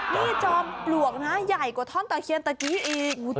นี่จอมปลวกนะใหญ่กว่าท่อนตะเคียนตะกี้อีก